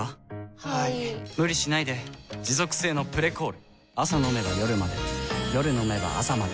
はい・・・無理しないで持続性の「プレコール」朝飲めば夜まで夜飲めば朝まで